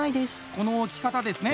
この置き方ですね。